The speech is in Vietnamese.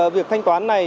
việc thanh toán này